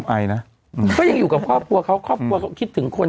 ไอนะก็ยังอยู่กับครอบครัวเขาครอบครัวเขาคิดถึงคน